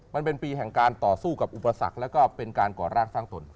มันเป็นปีแห่งการต่อสู้อุปสรรคและก่อร่างสร้างตน